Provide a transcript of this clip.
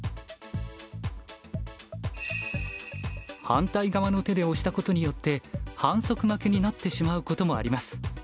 反対側の手で押したことによって反則負けになってしまうこともあります。